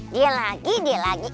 dia lagi dia lagi